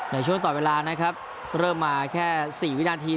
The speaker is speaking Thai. ในช่วงต่อเวลานะครับเริ่มมาแค่๔วินาที